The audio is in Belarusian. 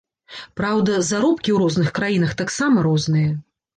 Праўда, заробкі у розных краінах таксама розныя.